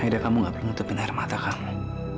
aida kamu tidak perlu menutupi nermata kamu